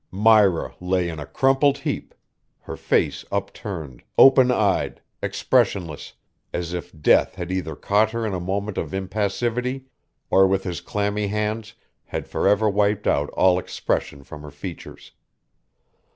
Myra lay in a crumpled heap, her face upturned, open eyed, expressionless, as if death had either caught her in a moment of impassivity or with his clammy hands had forever wiped out all expression from her features.